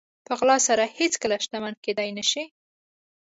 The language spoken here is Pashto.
په غلا سره هېڅکله شتمن کېدلی نه شئ.